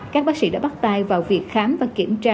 các bác sĩ đã bắt tay vào việc khám và kiểm tra